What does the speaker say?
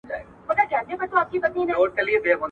ابن خلدون د ټولنپوهنې مخکښ ګڼل کيږي.